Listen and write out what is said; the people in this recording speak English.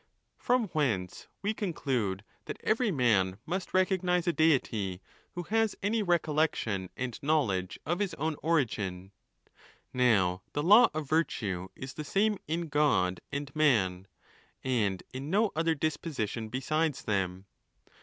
From whence we conclude that every man must recognise a Deity, who has any recollec tion and knowledge of his own origin. Now, the law of virtue is the same in God and man, and in no other disposition besides them.